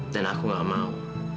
dan aku gak mau